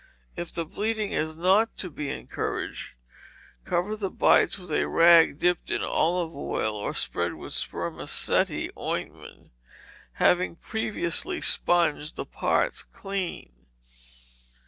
If the bleeding is not to be encouraged, cover the bites with a rag dipped in olive oil, or spread with spermaceti ointment, having previously sponged the parts clean.